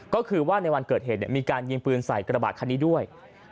ก็คือว่าในวันเกิดเหตุมีการยิงปืนใส่กระบาดคันนี้ด้วย